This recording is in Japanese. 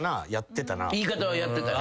言い方はやってたよ。